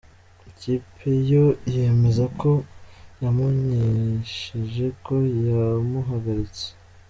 Ikipe yo yemeza ko yamumenyesheje ko yamuhagaritse.